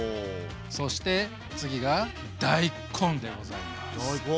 そして次が大根でございます。